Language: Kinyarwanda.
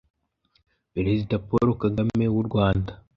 Perezida Paul Kagame w'u Rwanda